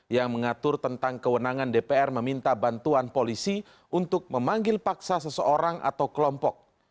yang mengatur tentang kewenangan dpr meminta bantuan polisi untuk memanggil paksa seseorang atau kelompok